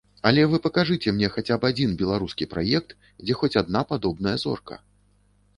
Але вы пакажыце мне хаця б адзін беларускі праект, дзе хоць адна падобная зорка.